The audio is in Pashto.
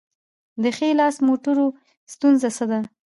د ښي لاس موټرو ستونزه څه ده؟